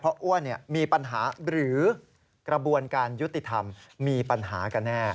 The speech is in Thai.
เพราะอ้วนมีปัญหาหรือกระบวนการยุติธรรมมีปัญหากันแน่